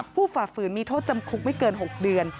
ฝ่าฝืนมีโทษจำคุกไม่เกิน๖เดือน